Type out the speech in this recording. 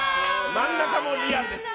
真ん中もリアルです。